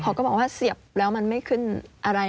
พอก็บอกว่าเสียบแล้วมันไม่ขึ้นอะไร